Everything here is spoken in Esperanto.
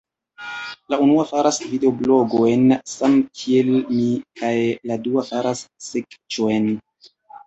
La unua faras videoblogojn samkiel mi kaj la dua faras sekĉojn